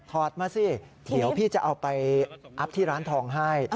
อดมาสิเดี๋ยวพี่จะเอาไปอัพที่ร้านทองให้